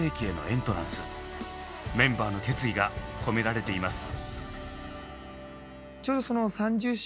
メンバーの決意が込められています。